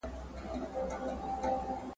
له یخنیه چي څوک نه وي لړزېدلي ,